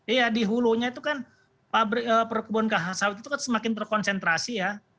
iya di hulunya itu kan perkebunan sawit itu kan semakin terkonsentrasi ya